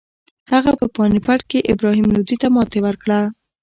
هغه په پاني پت کې ابراهیم لودي ته ماتې ورکړه.